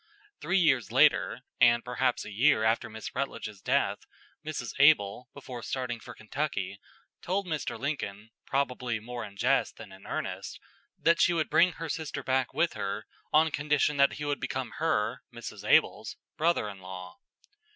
Three years later, and perhaps a year after Miss Rutledge's death, Mrs. Able, before starting for Kentucky, told Mr. Lincoln probably more in jest than earnest, that she would bring her sister back with her on condition that he would become her Mrs. Able's brother in law.